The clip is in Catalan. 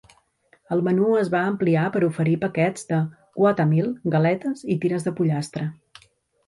El menú es va ampliar per oferir paquets de Whatameal, galetes i tires de pollastre.